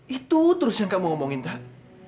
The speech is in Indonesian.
itu terus yang kamu ngomongin kak